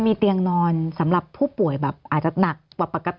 มีเตียงนอนสำหรับผู้ป่วยแบบอาจจะหนักกว่าปกติ